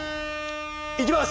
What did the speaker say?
行きます！